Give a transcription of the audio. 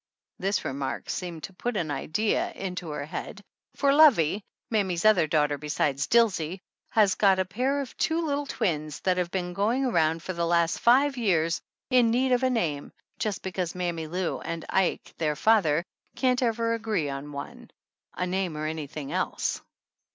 This remark seemed to put an idea into her head, for Lovie, mammy's other daughter be sides 'Dilsey, has got a pair of two little twins that have been going around for the last five years in need of a name just because Mammy Lou and Ike, their father, can't ever agree on one a name nor anything else.